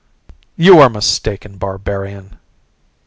"You are mistaken, barbarian."